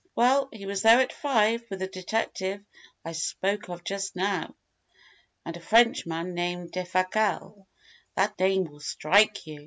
Well, he was there at five, with the detective I spoke of just now, and a Frenchman named Defasquelle. That name will strike you!